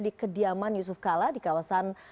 di kediaman yusuf kala di kawasan